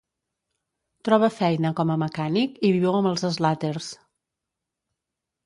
Troba feina com a mecànic i viu amb els Slaters.